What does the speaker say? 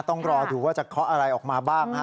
ต้องรอดูว่าจะเคาะอะไรออกมาบ้างนะฮะ